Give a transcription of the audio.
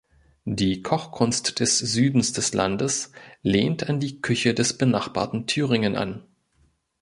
Die Kochkunst des Südens des Landes lehnt an die Küche des benachbarten Thüringen an.